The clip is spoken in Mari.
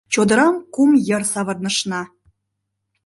Чодырам кум йыр савырнышна -